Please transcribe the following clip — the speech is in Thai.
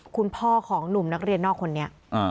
คุณพ่อของหนุ่มนักเรียนนอกคนนี้